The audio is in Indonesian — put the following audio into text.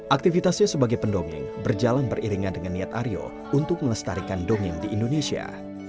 aktivitasnya sebagai pendongeng berjalan beriringan dengan niat aryo untuk melestarikan dongeng di indonesia